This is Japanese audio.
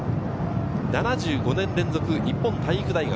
７５年連続、日本体育大学。